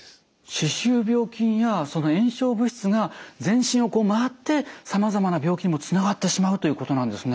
歯周病菌や炎症物質が全身を回ってさまざまな病気にもつながってしまうということなんですね。